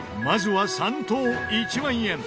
まずは３等１万円。